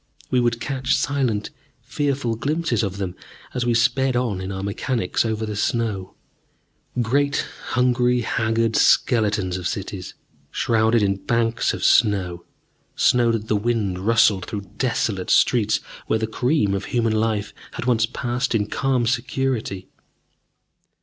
We would catch silent, fearful glimpses of them as we sped on in our machines over the snow great hungry, haggard skeletons of cities, shrouded in banks of snow, snow that the wind rustled through desolate streets where the cream of human life once had passed in calm security.